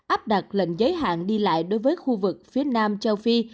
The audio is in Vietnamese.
áp đặt lệnh giới hạn đi lại đối với khu vực phía nam châu phi